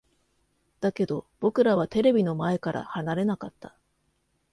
だけど、僕らはテレビの前から離れなかった。